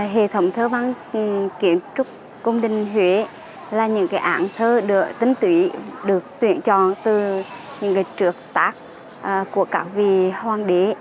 hệ thống thơ văn kiến trúc cung đình huế là những cái ảnh thơ được tính tùy được tuyển chọn từ những cái trược tác của cả vị hoàng đế